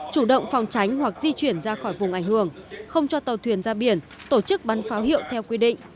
chủ động phòng tránh hoặc di chuyển ra khỏi vùng ảnh hưởng không cho tàu thuyền ra biển tổ chức bắn pháo hiệu theo quy định